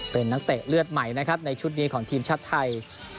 เป็นนักเตะเลือดใหม่นะครับในชุดนี้ของทีมชาติไทย